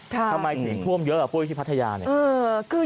ทำไมถึงท่วมเยอะกับผู้ทิพัทยานี่